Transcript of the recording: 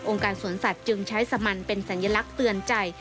การสวนสัตว์จึงใช้สมันเป็นสัญลักษณ์เตือนใจ